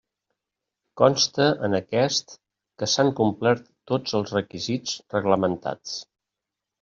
Consta en aquest que s'han complert tots els requisits reglamentats.